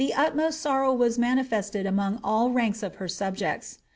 57 Utmost sorrow was manifested among all ranks of her subjects.